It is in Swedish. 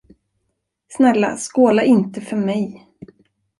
Snälla, skåla inte för mig.